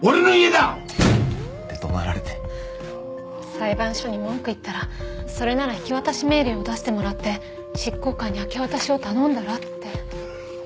裁判所に文句言ったらそれなら引渡命令を出してもらって執行官に明け渡しを頼んだらって。